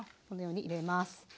このように入れます。